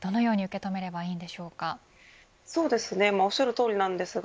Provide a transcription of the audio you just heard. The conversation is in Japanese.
そうなんですね。